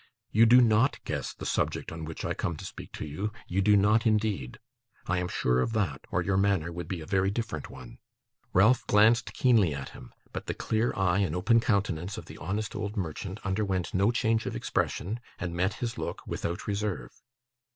You do not guess the subject on which I come to speak to you; you do not indeed. I am sure of that, or your manner would be a very different one.' Ralph glanced keenly at him, but the clear eye and open countenance of the honest old merchant underwent no change of expression, and met his look without reserve.